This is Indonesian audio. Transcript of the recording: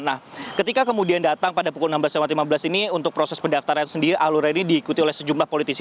nah ketika kemudian datang pada pukul enam belas lima belas ini untuk proses pendaftaran sendiri alur ini diikuti oleh sejumlah politisi